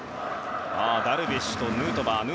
ダルビッシュとヌートバーの姿。